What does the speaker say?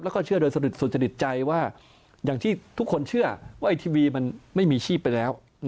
แล้วก็เชื่อโดยสุจริตใจว่าอย่างที่ทุกคนเชื่อว่าไอทีวีมันไม่มีชีพไปแล้ว